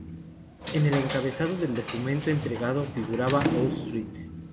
En el encabezado del documento entregado figuraba "Old St.